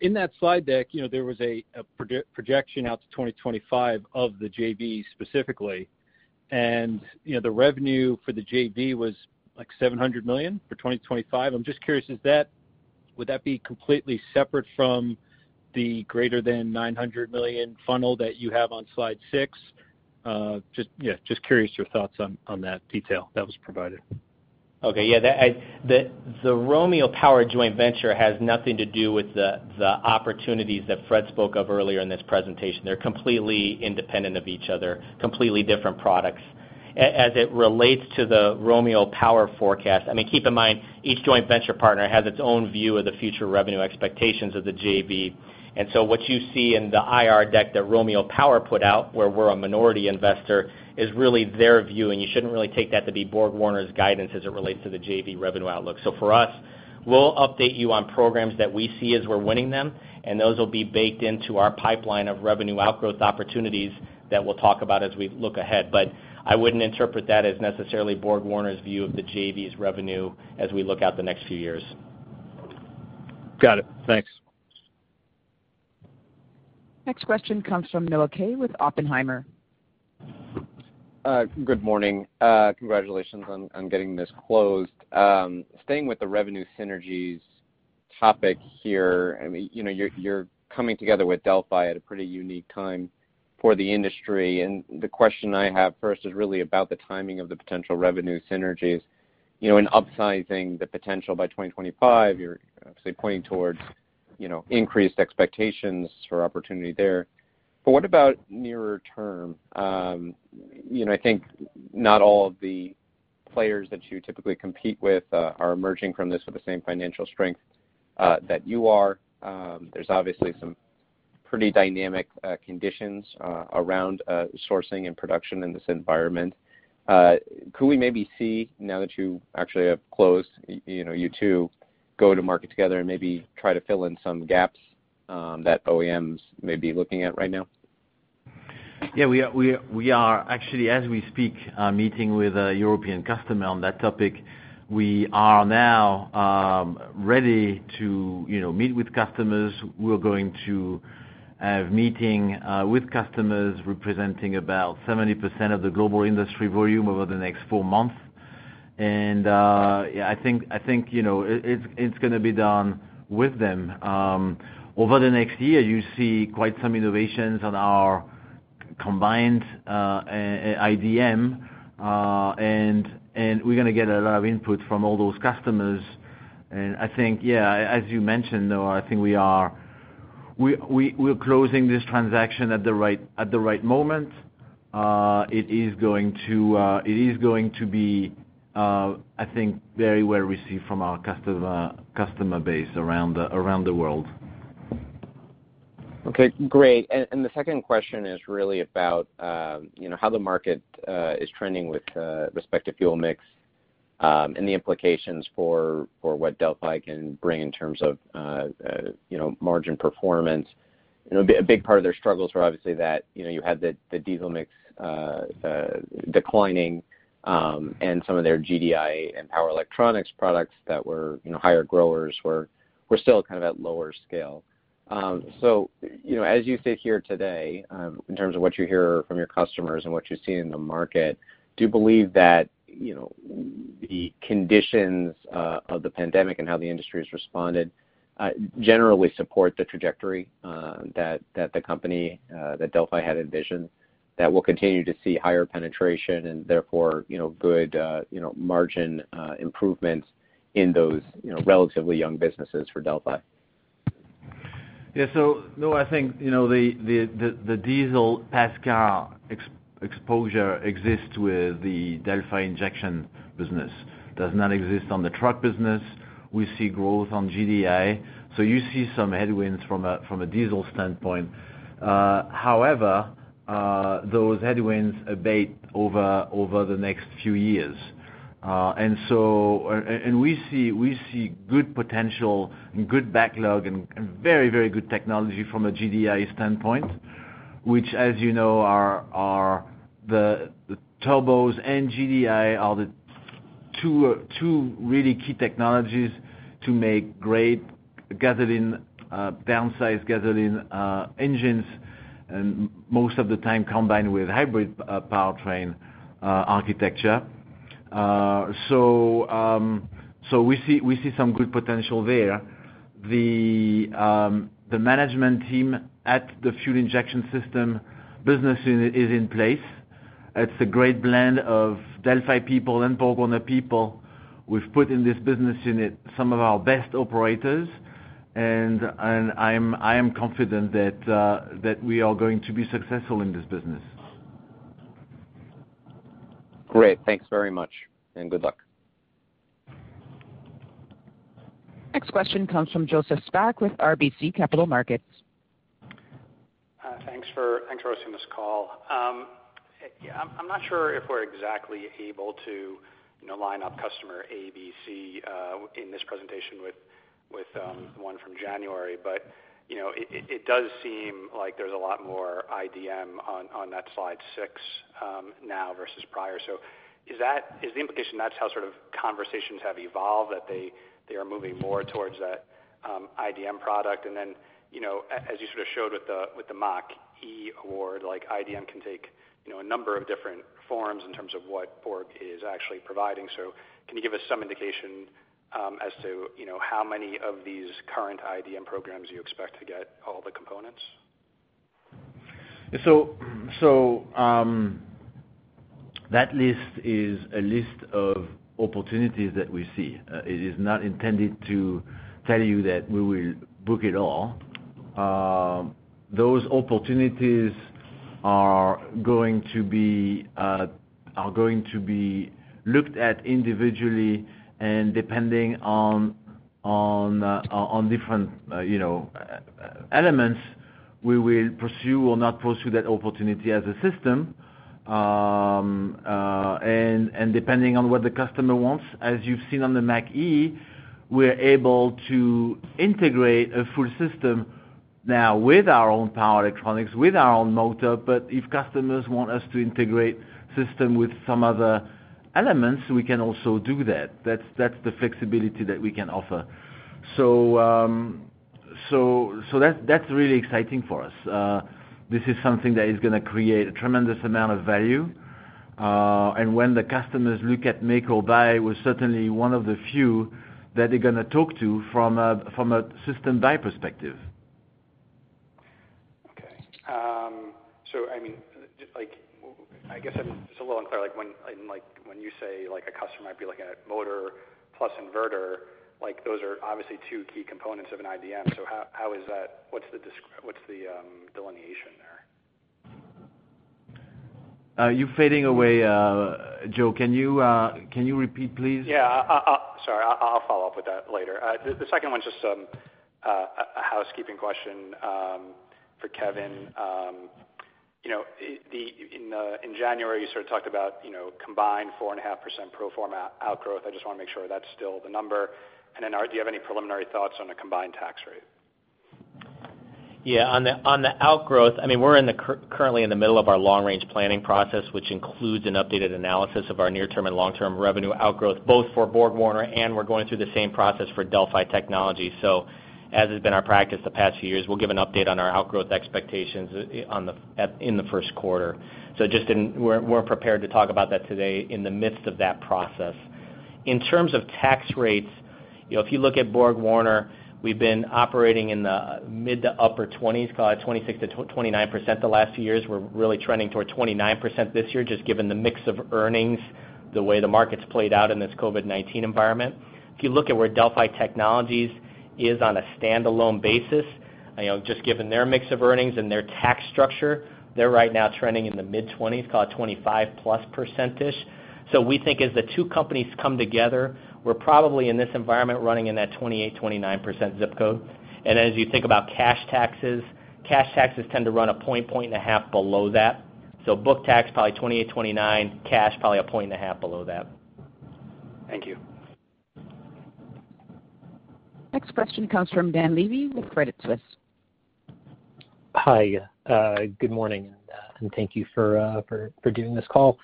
In that slide deck, there was a projection out to 2025 of the JV specifically, and the revenue for the JV was like $700 million for 2025. I'm just curious, would that be completely separate from the greater than $900 million funnel that you have on slide six? Yeah, just curious your thoughts on that detail that was provided. Okay. Yeah. The Romeo Power joint venture has nothing to do with the opportunities that Fréd spoke of earlier in this presentation. They're completely independent of each other, completely different products. As it relates to the Romeo Power forecast, I mean, keep in mind, each joint venture partner has its own view of the future revenue expectations of the JV. And so what you see in the IR deck that Romeo Power put out, where we're a minority investor, is really their view. And you shouldn't really take that to be BorgWarner's guidance as it relates to the JV revenue outlook. So for us, we'll update you on programs that we see as we're winning them. And those will be baked into our pipeline of revenue outgrowth opportunities that we'll talk about as we look ahead. But I wouldn't interpret that as necessarily BorgWarner's view of the JV's revenue as we look out the next few years. Got it. Thanks. Next question comes from Noah Kaye with Oppenheimer. Good morning. Congratulations on getting this closed. Staying with the revenue synergies topic here, I mean, you're coming together with Delphi at a pretty unique time for the industry, and the question I have first is really about the timing of the potential revenue synergies. In upsizing the potential by 2025, you're obviously pointing towards increased expectations for opportunity there, but what about nearer term? I think not all of the players that you typically compete with are emerging from this with the same financial strength that you are. There's obviously some pretty dynamic conditions around sourcing and production in this environment. Could we maybe see, now that you actually have closed, you two go to market together and maybe try to fill in some gaps that OEMs may be looking at right now? Yeah. We are. Actually, as we speak, meeting with a European customer on that topic. We are now ready to meet with customers. We're going to have a meeting with customers representing about 70% of the global industry volume over the next four months. And I think it's going to be done with them. Over the next year, you see quite some innovations on our combined iDM. And we're going to get a lot of input from all those customers. And I think, yeah, as you mentioned, I think we are closing this transaction at the right moment. It is going to be, I think, very well received from our customer base around the world. Okay. Great. And the second question is really about how the market is trending with respect to fuel mix and the implications for what Delphi can bring in terms of margin performance. A big part of their struggles were obviously that you had the diesel mix declining and some of their GDI and power electronics products that were higher growers were still kind of at lower scale. So as you sit here today, in terms of what you hear from your customers and what you've seen in the market, do you believe that the conditions of the pandemic and how the industry has responded generally support the trajectory that the company that Delphi had envisioned that will continue to see higher penetration and therefore good margin improvements in those relatively young businesses for Delphi? Yeah. So no, I think the diesel passenger exposure exists with the Delphi injection business. It does not exist on the truck business. We see growth on GDI. So you see some headwinds from a diesel standpoint. However, those headwinds abate over the next few years, and we see good potential and good backlog and very, very good technology from a GDI standpoint, which, as you know, the turbos and GDI are the two really key technologies to make great downsized gasoline engines and most of the time combined with hybrid powertrain architecture, so we see some good potential there. The management team at the fuel injection system business unit is in place. It's a great blend of Delphi people and BorgWarner people. We've put in this business unit some of our best operators, and I am confident that we are going to be successful in this business. Great. Thanks very much and good luck. Next question comes from Joseph Spak with RBC Capital Markets. Thanks for hosting this call. I'm not sure if we're exactly able to line up customer A, B, C in this presentation with the one from January. But it does seem like there's a lot more iDM on that slide six now versus prior. So is the implication that's how sort of conversations have evolved, that they are moving more towards that iDM product? And then, as you sort of showed with the Mark E Award, iDM can take a number of different forms in terms of what Borg is actually providing. So can you give us some indication as to how many of these current iDM programs you expect to get all the components? That list is a list of opportunities that we see. It is not intended to tell you that we will book it all. Those opportunities are going to be looked at individually. And depending on different elements, we will pursue or not pursue that opportunity as a system. And depending on what the customer wants, as you've seen on the Mark E, we're able to integrate a full system now with our own power electronics, with our own motor. But if customers want us to integrate system with some other elements, we can also do that. That's the flexibility that we can offer. So that's really exciting for us. This is something that is going to create a tremendous amount of value. And when the customers look at make or buy, we're certainly one of the few that they're going to talk to from a system buy perspective. Okay, so I mean, I guess I'm just a little unclear. When you say a customer might be looking at motor plus inverter, those are obviously two key components of an iDM. So, what's the delineation there? You're fading away, Joe. Can you repeat, please? Yeah. Sorry. I'll follow up with that later. The second one's just a housekeeping question for Kevin. In January, you sort of talked about combined 4.5% pro forma outgrowth. I just want to make sure that's still the number. And then do you have any preliminary thoughts on a combined tax rate? Yeah. On the outlook, I mean, we're currently in the middle of our long-range planning process, which includes an updated analysis of our near-term and long-term revenue outlook, both for BorgWarner. We're going through the same process for Delphi Technologies. As has been our practice the past few years, we'll give an update on our outlook expectations in the first quarter. We're prepared to talk about that today in the midst of that process. In terms of tax rates, if you look at BorgWarner, we've been operating in the mid to upper 20s, call it 26%-29% the last few years. We're really trending toward 29% this year, just given the mix of earnings, the way the market's played out in this COVID-19 environment. If you look at where Delphi Technologies is on a standalone basis, just given their mix of earnings and their tax structure, they're right now trending in the mid-20s, call it 25 +% ish. So we think as the two companies come together, we're probably in this environment running in that 28%-29% zip code. And as you think about cash taxes, cash taxes tend to run a point, point and a half below that. So book tax, probably 28%-29%. Cash, probably a point and a half below that. Thank you. Next question comes from Dan Levy with Credit Suisse. Hi. Good morning, and thank you for doing this call.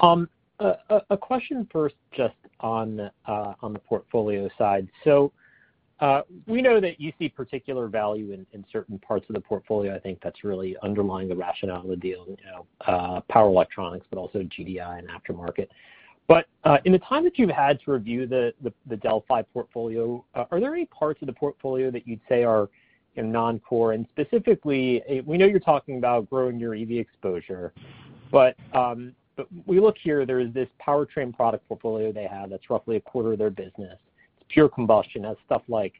A question first just on the portfolio side, so we know that you see particular value in certain parts of the portfolio. I think that's really underlying the rationale of the deal, power electronics, but also GDI and aftermarket. But in the time that you've had to review the Delphi portfolio, are there any parts of the portfolio that you'd say are non-core, and specifically, we know you're talking about growing your EV exposure, but we look here, there is this powertrain product portfolio they have that's roughly a quarter of their business. It's pure combustion. That's stuff like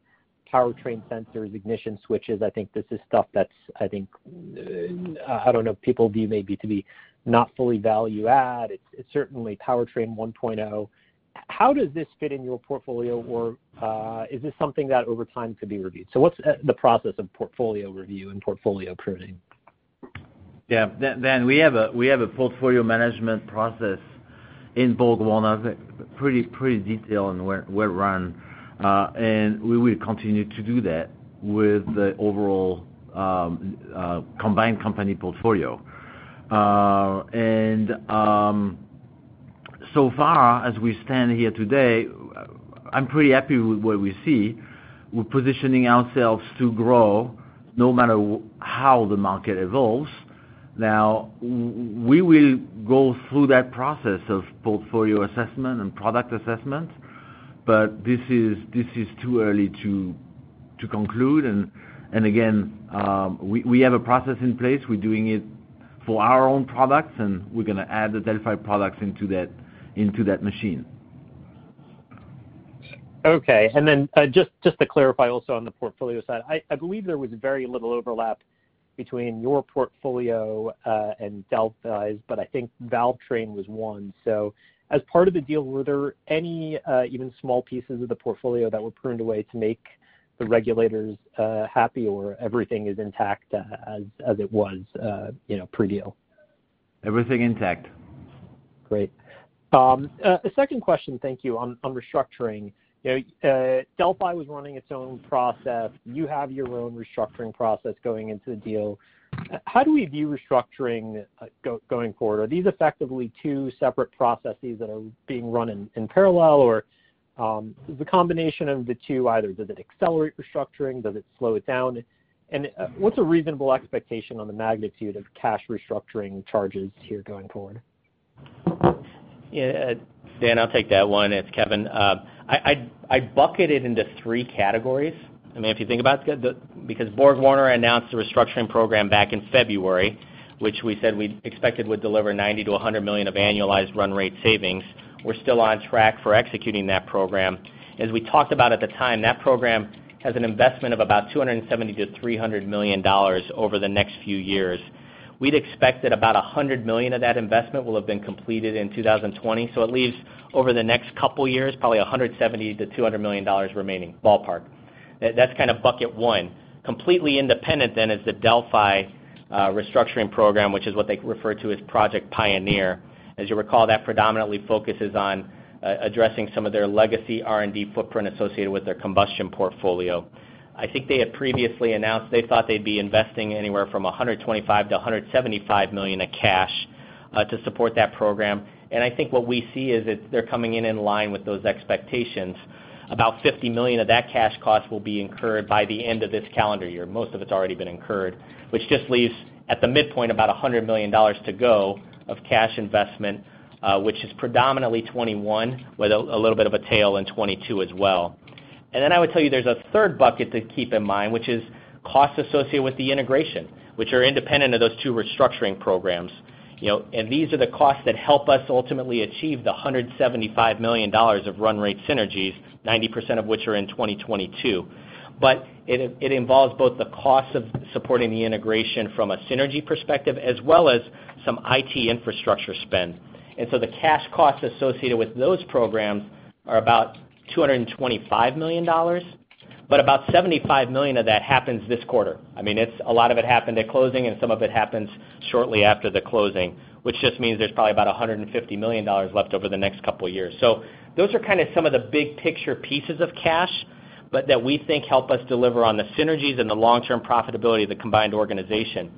powertrain sensors, ignition switches. I think this is stuff that's, I think, I don't know, people view maybe to be not fully value-add. It's certainly powertrain 1.0. How does this fit in your portfolio, or is this something that over time could be reviewed? So what's the process of portfolio review and portfolio pruning? Yeah. Dan, we have a portfolio management process in BorgWarner pretty detailed and well-run. And we will continue to do that with the overall combined company portfolio. And so far, as we stand here today, I'm pretty happy with what we see. We're positioning ourselves to grow no matter how the market evolves. Now, we will go through that process of portfolio assessment and product assessment. But this is too early to conclude. And again, we have a process in place. We're doing it for our own products. And we're going to add the Delphi products into that machine. Okay. And then just to clarify also on the portfolio side, I believe there was very little overlap between your portfolio and Delphi's, but I think Valvetrain was one. So as part of the deal, were there any even small pieces of the portfolio that were pruned away to make the regulators happy or everything is intact as it was pre-deal? Everything intact. Great. A second question, thank you, on restructuring. Delphi was running its own process. You have your own restructuring process going into the deal. How do we view restructuring going forward? Are these effectively two separate processes that are being run in parallel, or is the combination of the two either does it accelerate restructuring? Does it slow it down? And what's a reasonable expectation on the magnitude of cash restructuring charges here going forward? Yeah. Dan, I'll take that one. It's Kevin. I bucket it into three categories. I mean, if you think about it, because BorgWarner announced the restructuring program back in February, which we said we expected would deliver $90 million-$100 million of annualized run rate savings, we're still on track for executing that program. As we talked about at the time, that program has an investment of about $270 million-$300 million over the next few years. We'd expect that about $100 million of that investment will have been completed in 2020. So it leaves over the next couple of years, probably $170 million-$200 million remaining, ballpark. That's kind of bucket one. Completely independent then is the Delphi restructuring program, which is what they refer to as Project Pioneer. As you recall, that predominantly focuses on addressing some of their legacy R&D footprint associated with their combustion portfolio. I think they had previously announced they thought they'd be investing anywhere from $125 million-$175 million of cash to support that program. And I think what we see is they're coming in in line with those expectations. About $50 million of that cash cost will be incurred by the end of this calendar year. Most of it's already been incurred, which just leaves at the midpoint about $100 million to go of cash investment, which is predominantly 2021, with a little bit of a tail in 2022 as well. And then I would tell you there's a third bucket to keep in mind, which is costs associated with the integration, which are independent of those two restructuring programs. These are the costs that help us ultimately achieve the $175 million of run rate synergies, 90% of which are in 2022. It involves both the cost of supporting the integration from a synergy perspective as well as some IT infrastructure spend. The cash costs associated with those programs are about $225 million. About $75 million of that happens this quarter. I mean, a lot of it happened at closing, and some of it happens shortly after the closing, which just means there's probably about $150 million left over the next couple of years. Those are kind of some of the big picture pieces of cash that we think help us deliver on the synergies and the long-term profitability of the combined organization.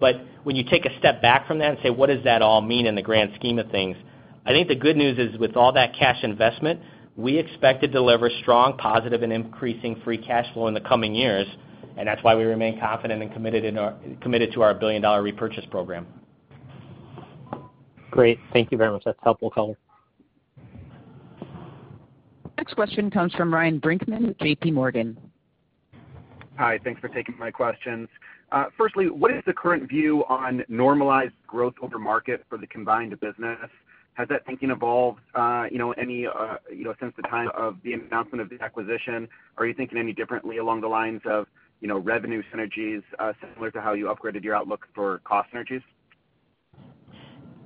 But when you take a step back from that and say, "What does that all mean in the grand scheme of things?" I think the good news is with all that cash investment, we expect to deliver strong, positive, and increasing free cash flow in the coming years. And that's why we remain confident and committed to our billion-dollar repurchase program. Great. Thank you very much. That's helpful, Kevin Next question comes from Ryan Brinkman with JPMorgan. Hi. Thanks for taking my questions. Firstly, what is the current view on normalized growth over market for the combined business? Has that thinking evolved any since the time of the announcement of the acquisition? Are you thinking any differently along the lines of revenue synergies similar to how you upgraded your outlook for cost synergies?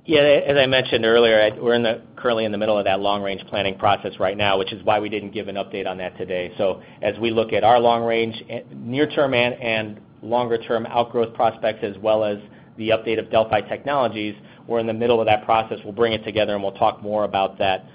Yeah. As I mentioned earlier, we're currently in the middle of that long-range planning process right now, which is why we didn't give an update on that today. So as we look at our long-range, near-term, and longer-term outgrowth prospects, as well as the update of Delphi Technologies, we're in the middle of that process. We'll bring it together, and we'll talk more about that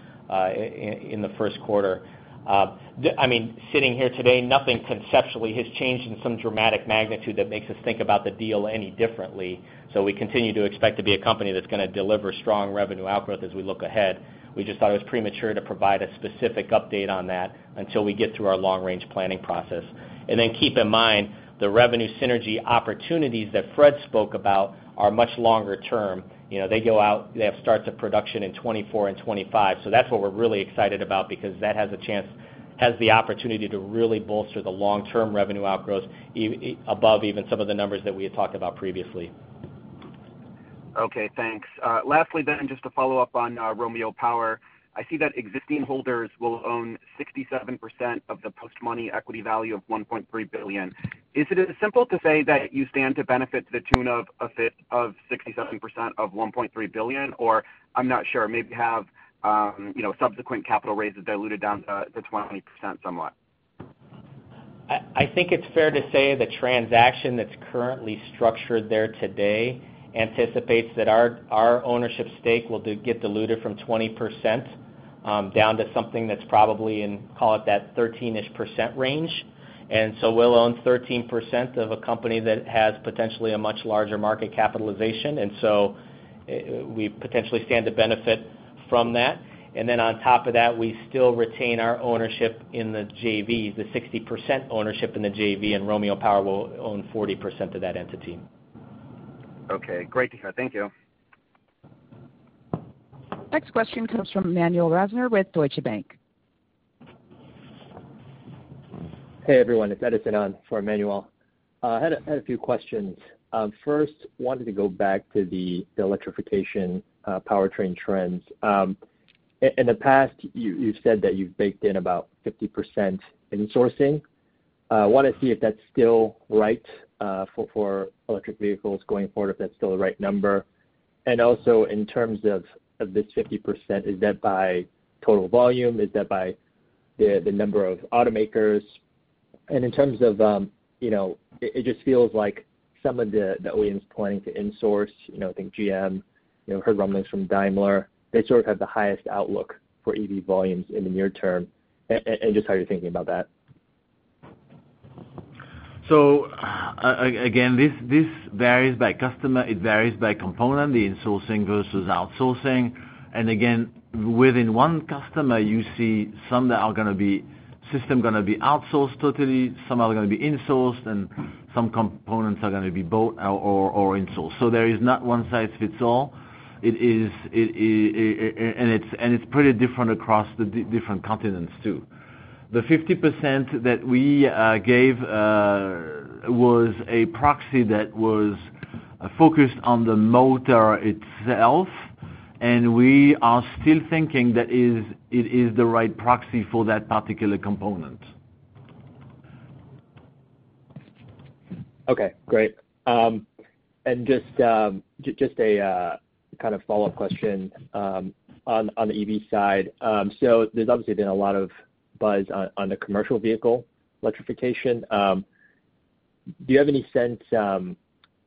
in the first quarter. I mean, sitting here today, nothing conceptually has changed in some dramatic magnitude that makes us think about the deal any differently. So we continue to expect to be a company that's going to deliver strong revenue outgrowth as we look ahead. We just thought it was premature to provide a specific update on that until we get through our long-range planning process. And then keep in mind, the revenue synergy opportunities that Fréd spoke about are much longer term. They go out, they have starts of production in 2024 and 2025. So that's what we're really excited about because that has the opportunity to really bolster the long-term revenue outgrowth above even some of the numbers that we had talked about previously. Okay. Thanks. Lastly, then, just to follow up on Romeo Power, I see that existing holders will own 67% of the post-money equity value of $1.3 billion. Is it as simple to say that you stand to benefit to the tune of 67% of $1.3 billion, or I'm not sure, maybe have subsequent capital raises diluted down to 20% somewhat? I think it's fair to say the transaction that's currently structured there today anticipates that our ownership stake will get diluted from 20% down to something that's probably in, call it that 13-ish% range. And so we'll own 13% of a company that has potentially a much larger market capitalization. And so we potentially stand to benefit from that. And then on top of that, we still retain our ownership in the JV, the 60% ownership in the JV, and Romeo Power will own 40% of that entity. Okay. Great to hear. Thank you. Next question comes from Emmanuel Rosner with Deutsche Bank. Hey, everyone. It's Edison for Emmanuel. I had a few questions. First, wanted to go back to the electrification powertrain trends. In the past, you've said that you've baked in about 50% insourcing. I want to see if that's still right for electric vehicles going forward, if that's still the right number. And also in terms of this 50%, is that by total volume? Is that by the number of automakers? And in terms of it, just feels like some of the OEMs planning to insource, I think GM heard rumblings from Daimler, they sort of have the highest outlook for EV volumes in the near term. And just how you're thinking about that. So again, this varies by customer. It varies by component, the insourcing versus outsourcing. And again, within one customer, you see some that are going to be system going to be outsourced totally, some are going to be insourced, and some components are going to be bought or insourced. So there is not one size fits all. And it's pretty different across the different continents too. The 50% that we gave was a proxy that was focused on the motor itself. And we are still thinking that it is the right proxy for that particular component. Okay. Great. And just a kind of follow-up question on the EV side. So there's obviously been a lot of buzz on the commercial vehicle electrification. Do you have any sense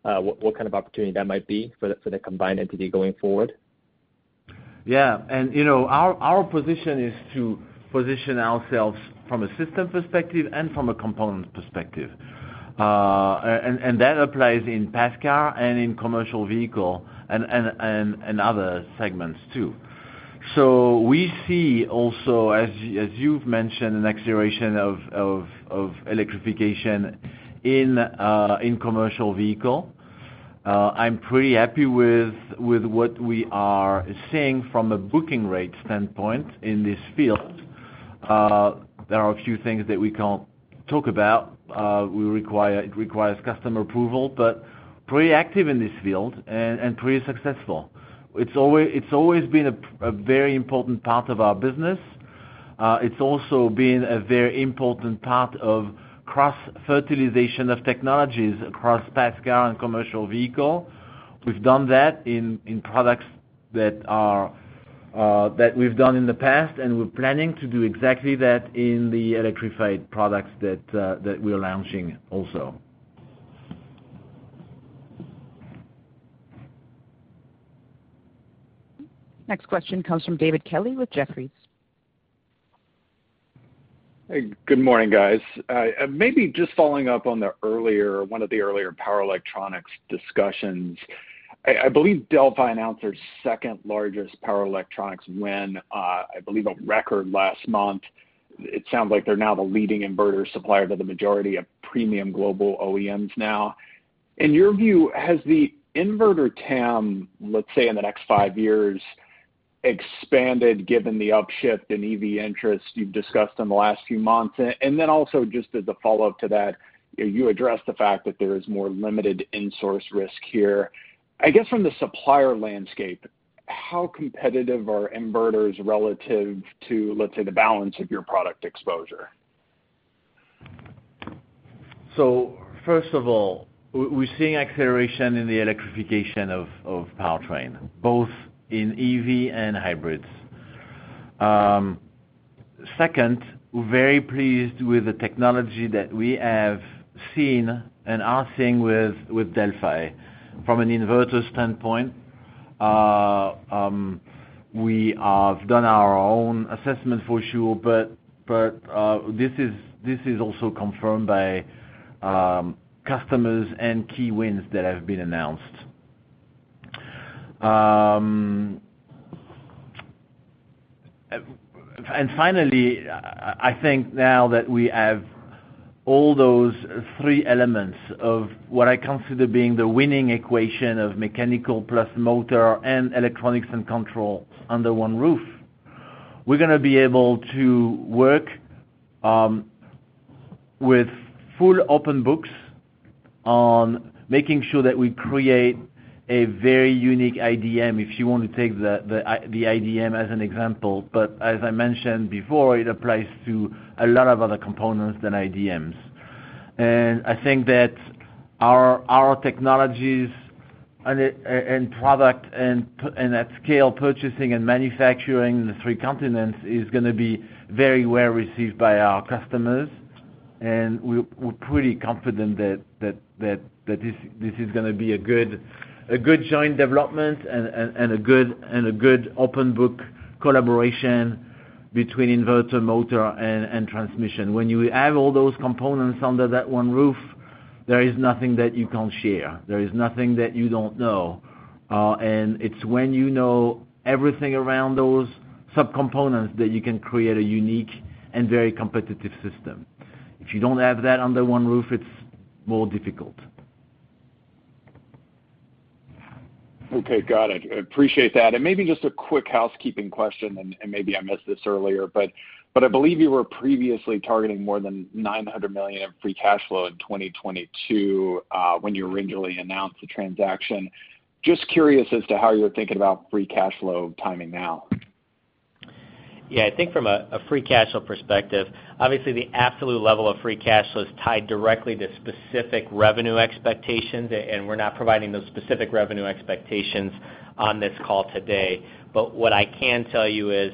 what kind of opportunity that might be for the combined entity going forward? Yeah. And our position is to position ourselves from a system perspective and from a component perspective. And that applies in passenger car and in commercial vehicle and other segments too. So we see also, as you've mentioned, an acceleration of electrification in commercial vehicle. I'm pretty happy with what we are seeing from a booking rate standpoint in this field. There are a few things that we can't talk about. It requires customer approval, but pretty active in this field and pretty successful. It's always been a very important part of our business. It's also been a very important part of cross-fertilization of technologies across passenger car and commercial vehicle. We've done that in products that we've done in the past, and we're planning to do exactly that in the electrified products that we're launching also. Next question comes from David Kelley with Jefferies. Hey. Good morning, guys. Maybe just following up on one of the earlier power electronics discussions, I believe Delphi announced their second largest power electronics win, I believe, a record last month. It sounds like they're now the leading inverter supplier to the majority of premium global OEMs now. In your view, has the inverter TAM, let's say in the next five years, expanded given the upshift in EV interest you've discussed in the last few months? And then also just as a follow-up to that, you addressed the fact that there is more limited insource risk here. I guess from the supplier landscape, how competitive are inverters relative to, let's say, the balance of your product exposure? First of all, we're seeing acceleration in the electrification of powertrain, both in EV and hybrids. Second, we're very pleased with the technology that we have seen and are seeing with Delphi from an inverter standpoint. We have done our own assessment for sure, but this is also confirmed by customers and key wins that have been announced. Finally, I think now that we have all those three elements of what I consider being the winning equation of mechanical plus motor and electronics and control under one roof, we're going to be able to work with full open books on making sure that we create a very unique iDM, if you want to take the iDM as an example. But as I mentioned before, it applies to a lot of other components than iDMs. And I think that our technologies and product and at scale purchasing and manufacturing in the three continents is going to be very well received by our customers. And we're pretty confident that this is going to be a good joint development and a good open book collaboration between inverter, motor, and transmission. When you have all those components under that one roof, there is nothing that you can't share. There is nothing that you don't know. And it's when you know everything around those subcomponents that you can create a unique and very competitive system. If you don't have that under one roof, it's more difficult. Okay. Got it. Appreciate that. And maybe just a quick housekeeping question, and maybe I missed this earlier, but I believe you were previously targeting more than $900 million in free cash flow in 2022 when you originally announced the transaction. Just curious as to how you're thinking about free cash flow timing now? Yeah. I think from a free cash flow perspective, obviously the absolute level of free cash flow is tied directly to specific revenue expectations, and we're not providing those specific revenue expectations on this call today. But what I can tell you is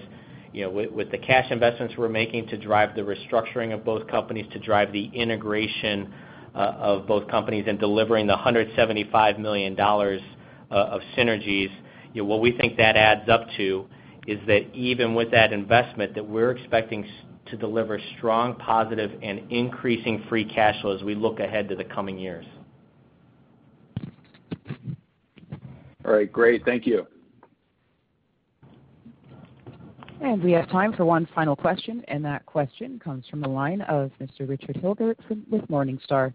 with the cash investments we're making to drive the restructuring of both companies, to drive the integration of both companies and delivering the $175 million of synergies, what we think that adds up to is that even with that investment, that we're expecting to deliver strong, positive, and increasing free cash flow as we look ahead to the coming years. All right. Great. Thank you. We have time for one final question. And that question comes from the line of Mr. Richard Hilgert with Morningstar.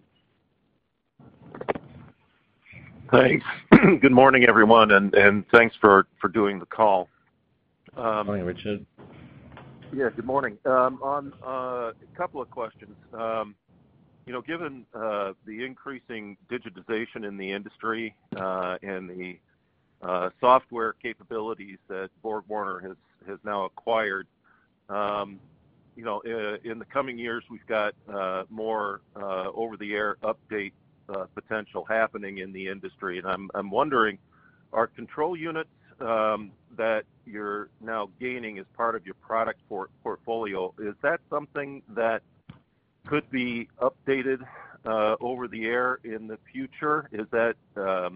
Thanks. Good morning, everyone, and thanks for doing the call. Morning, Richard. Yeah. Good morning. On a couple of questions. Given the increasing digitization in the industry and the software capabilities that BorgWarner has now acquired, in the coming years, we've got more over-the-air update potential happening in the industry. And I'm wondering, are control units that you're now gaining as part of your product portfolio something that could be updated over the air in the future? Is that a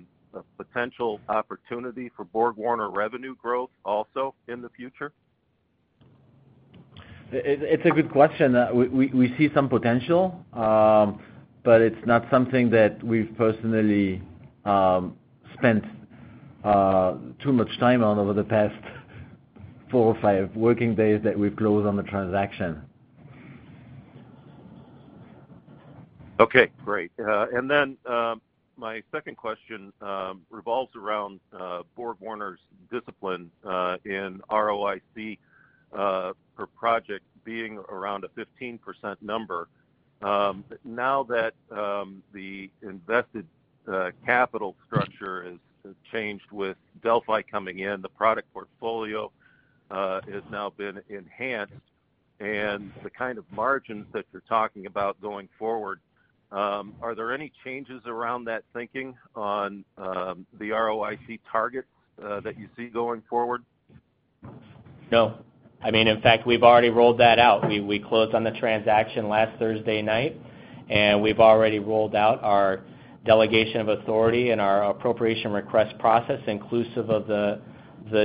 potential opportunity for BorgWarner revenue growth also in the future? It's a good question. We see some potential, but it's not something that we've personally spent too much time on over the past four or five working days that we've closed on the transaction. Okay. Great. And then my second question revolves around BorgWarner's discipline in ROIC per project being around a 15% number. Now that the invested capital structure has changed with Delphi coming in, the product portfolio has now been enhanced, and the kind of margins that you're talking about going forward, are there any changes around that thinking on the ROIC targets that you see going forward? No. I mean, in fact, we've already rolled that out. We closed on the transaction last Thursday night, and we've already rolled out our delegation of authority and our appropriation request process, inclusive of the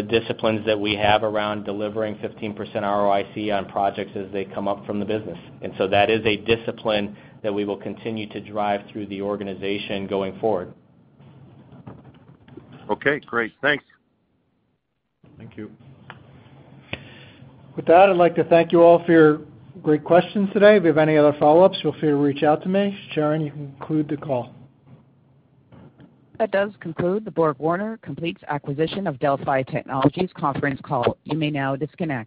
disciplines that we have around delivering 15% ROIC on projects as they come up from the business, and so that is a discipline that we will continue to drive through the organization going forward. Okay. Great. Thanks. Thank you. With that, I'd like to thank you all for your great questions today. If you have any other follow-ups, feel free to reach out to me. Sharon, you can conclude the call. That does conclude the BorgWarner Completes Acquisition of Delphi Technologies conference call. You may now disconnect.